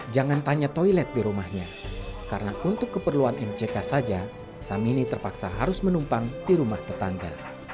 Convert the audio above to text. jangan tanya toilet di rumahnya karena untuk keperluan mck saja samini terpaksa harus menumpang di rumah tetangga